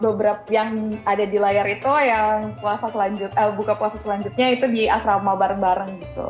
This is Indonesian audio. beberapa yang ada di layar itu yang buka puasa selanjutnya itu di asrama bareng bareng gitu